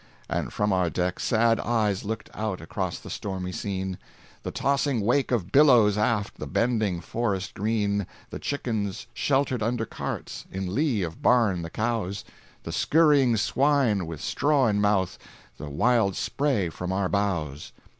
And from our deck sad eyes looked out Across the stormy scene: The tossing wake of billows aft, The bending forests green, The chickens sheltered under carts In lee of barn the cows, The skurrying swine with straw in mouth, The wild spray from our bows!